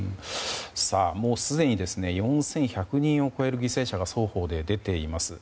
もうすでに４１００人を超える犠牲者が双方で出ています。